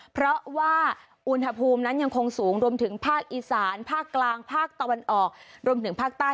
เพราะว่าอุณหภูมินั้นยังคงสูงรวมถึงภาคอีสานภาคกลางภาคตะวันออกรวมถึงภาคใต้